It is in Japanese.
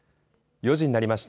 ４時になりました。